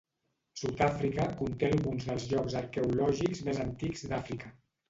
Sud-àfrica conté alguns dels llocs arqueològics més antics d'Àfrica.